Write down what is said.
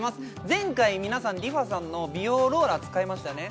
前回皆さんＲｅＦａさんの美容ローラー使いましたね